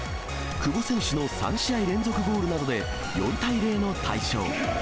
久保選手の３試合連続ゴールなどで４対０の大勝。